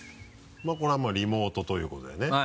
まぁこれはリモートということでね。